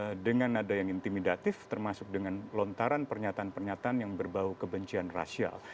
dan juga dengan nada yang intimidatif termasuk dengan lontaran pernyataan pernyataan yang berbau kebencian rasial